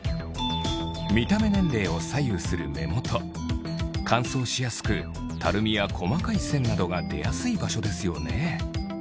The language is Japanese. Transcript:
見た目年齢を左右する目元乾燥しやすくたるみや細かい線などが出やすい場所ですよね